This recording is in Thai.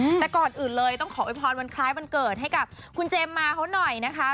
แต่ก่อนอื่นเลยต้องขอโวยพรวันคล้ายวันเกิดให้กับคุณเจมส์มาเขาหน่อยนะคะ